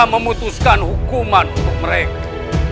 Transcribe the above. memutuskan hukuman untuk mereka